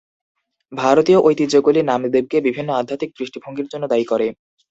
ভারতীয় ঐতিহ্যগুলি নামদেবকে বিভিন্ন আধ্যাত্মিক দৃষ্টিভঙ্গির জন্য দায়ী করে।